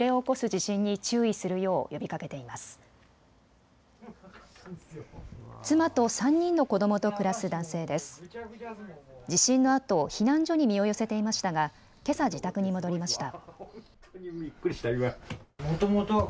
地震のあと避難所に身を寄せていましたがけさ自宅に戻りました。